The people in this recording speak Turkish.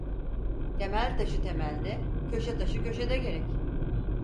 Temel taşı temelde, köşe taşı köşede gerek.